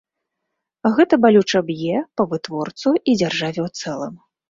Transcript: Гэта балюча б'е па вытворцу і дзяржаве ў цэлым.